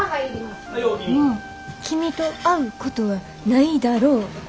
「もう君と会うことはないだろう」